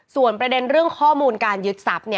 ส่วนประเด็นเรื่องข้อมูลการยึดทรัพย์